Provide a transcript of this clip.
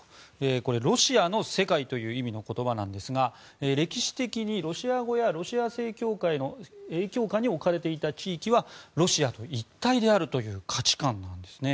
これはロシアの世界という意味の言葉なんですが歴史的にロシア語やロシア正教会の影響下に置かれていた地域はロシアと一体であるという価値観なんですね。